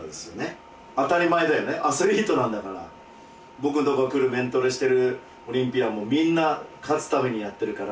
僕のところへ来るメントレしてるオリンピアンもみんな勝つためにやってるから。